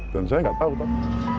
dan saya nggak tahu pak